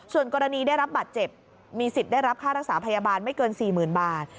ส่วนกรณีได้รับบาดเจ็บมีสิทธิ์ได้รับค่ารักษาพยาบาลไม่เกิน๔๐๐๐บาท